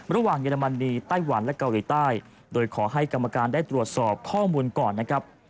เยอรมนีไต้หวันและเกาหลีใต้โดยขอให้กรรมการได้ตรวจสอบข้อมูลก่อนนะครับ